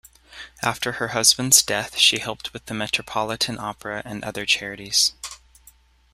After her husband's death she helped with the Metropolitan Opera and other charities.